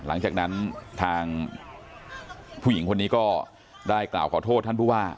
หลังจากนั้นทางผู้หญิงคนนี้ก็ได้กล่าวขอโทษท่านผู้ว่า